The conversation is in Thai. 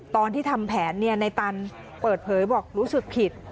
ตอนที่ทำแผนในตันเปิดเผยบอกรู้สึกผิด